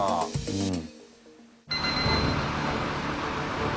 うん。